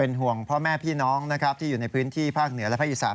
ห่วงพ่อแม่พี่น้องนะครับที่อยู่ในพื้นที่ภาคเหนือและภาคอีสาน